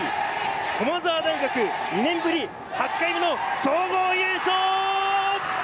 駒澤大学２年ぶり８回目の総合優勝！